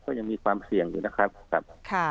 ยังมีความเสี่ยงอยู่นะครับ